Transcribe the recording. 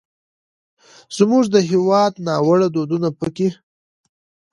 زموږ د هېواد ناوړه دودونه پکې